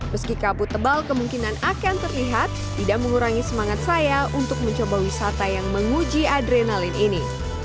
meski kabut tebal kemungkinan akan terlihat tidak mengurangi semangat saya untuk mencoba wisata yang menguji adrenalin ini